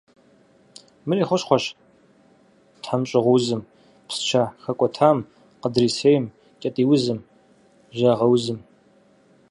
Мыр и хущхъуэщ тхьэмщӏыгъуузым, псчэ хэкӏуэтам, къыдрисейм, кӏэтӏийузым, жьагъэузым.